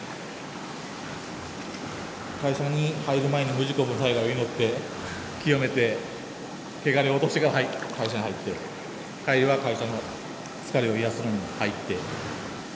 会社に入る前に無事故無災害を祈って清めて穢れを落としてから会社に入って帰りは会社の疲れを癒やすのに入って。